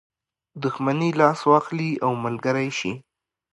دښمني لاس واخلي او ملګری شي.